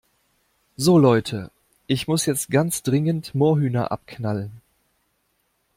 So Leute, ich muss jetzt ganz dringend Moorhühner abknallen.